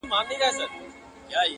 په جونګړو به شور ګډ د پښتونخوا سي٫